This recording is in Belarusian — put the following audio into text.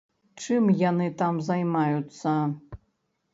Чым яны там займаюцца?